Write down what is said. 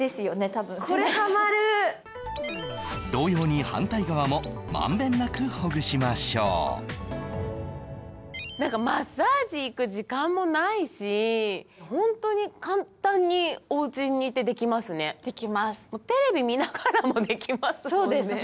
多分これハマる同様に反対側もまんべんなくほぐしましょうマッサージ行く時間もないしホントに簡単におうちにいてできますねできますテレビ見ながらもできますもんね